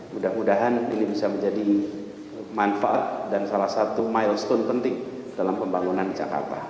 mudah mudahan ini bisa menjadi manfaat dan salah satu milestone penting dalam pembangunan jakarta